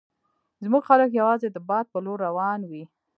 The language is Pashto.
زموږ خلک یوازې د باد په لور روان وي.